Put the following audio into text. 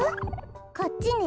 こっちね？